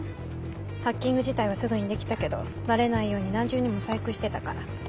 ハッキング自体はすぐにできたけどバレないように何重にも細工してたから。